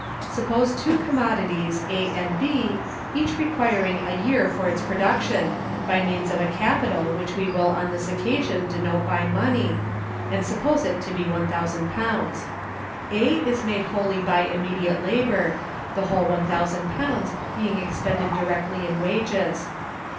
Suppose two commodities, A and B, each requiring a year for its production, by means of a capital which we will on this occasion denote by money, and suppose it to be £1,000. A is made wholly by immediate labor, the whole £1,000 being expended directly in wages.